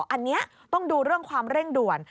อันนี้ต้องดูเรื่องความเร่งด่วน